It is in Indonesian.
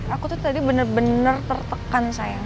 aku tuh tadi bener bener tertekan sayang